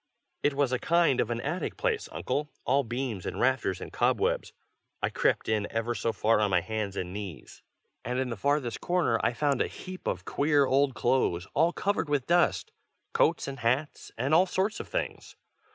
It was a kind of an attic place, Uncle, all beams and rafters and cobwebs. I crept in ever so far on my hands and knees, and in the farthest corner I found a heap of queer old clothes all covered with dust; coats and hats, and all sorts of things.